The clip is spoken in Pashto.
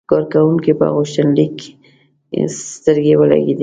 کارکونکي په غوښتنلیک سترګې ولګېدې.